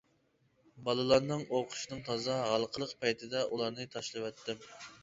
بالىلارنىڭ ئوقۇشىنىڭ تازا ھالقىلىق پەيتىدە ئۇلارنى تاشلىۋەتتىم.